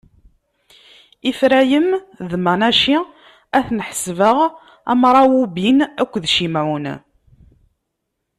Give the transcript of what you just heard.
Ifṛayim d Manaci ad ten-ḥesbeɣ am Rawubin akked Cimɛun.